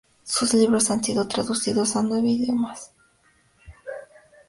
Sus libros han sido traducidos a nueve idiomas.